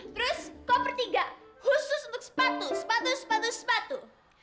terus koper tiga khusus untuk sepatu sepatu sepatu sepatu